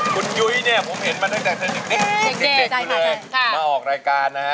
คุณยุ้ยเนี่ยผมเห็นมาตั้งแต่เด็กอยู่เลยมาออกรายการนะฮะ